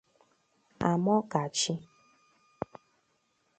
Amokachi